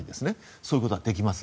そういうことはできます。